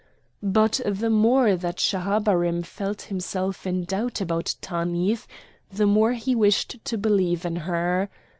But the more that Schahabarim felt himself in doubt about Tanith, the more he wished to believe in her.